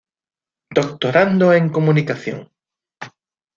Doctorando en Comunicación.